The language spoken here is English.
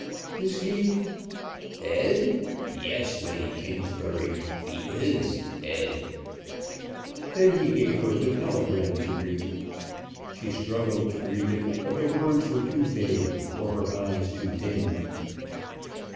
"Is he ?" "Dead? Yes, Lady Kingsbury, he is dead." Then he gave her the telegram to read. She struggled to read it, but the words were too vague; or her eyes too dim.